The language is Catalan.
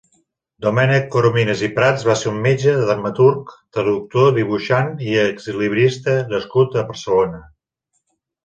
Domènec Corominas i Prats va ser un metge, dramaturg, traductor, dibuixant i exlibrista nascut a Barcelona.